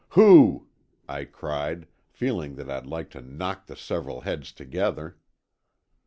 "Who?" I cried, feeling that I'd like to knock the several heads together.